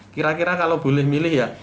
kira kira kalau boleh milih ya